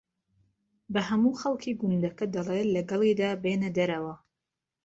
بە ھەموو خەڵکی گوندەکە دەڵێ لەگەڵیدا بێنە دەرەوە